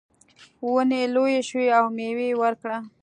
ونې لویې شوې او میوه یې ورکړه.